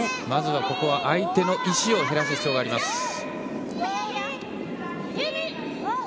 まずは相手の石を減らす必要があります。